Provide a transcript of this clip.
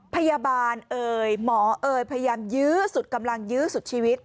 พยาบาลเอ่ยหมอเอ่ยพยายามยื้อสุดกำลังยื้อสุดชีวิต